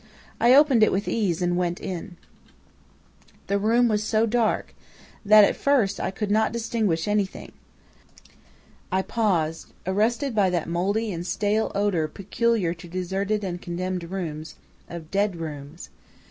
"I opened it with ease and went in. "The room was so dark that at first I could not distinguish anything. I paused, arrested by that moldy and stale odor peculiar to deserted and condemned rooms, of dead rooms.